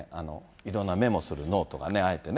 いろんなメモするノートとかね、あえてね。